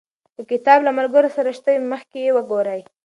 که کتاب له ملګرو سره شته وي، مخکې یې وګورئ.